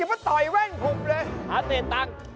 อย่าไปต่อยแว่นผมเลยหาเศษตังค์